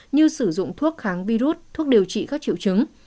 như sử dụng thuốc kháng virus thuốc điều trị các triệu chứng